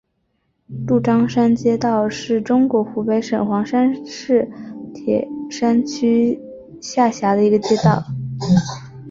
鹿獐山街道是中国湖北省黄石市铁山区下辖的一个街道。